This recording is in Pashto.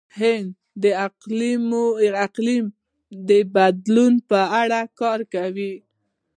هند د اقلیم د بدلون په اړه کار کوي.